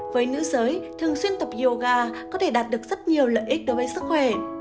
với nữ giới thường xuyên tập yoga có thể đạt được rất nhiều lợi ích đối với sức khỏe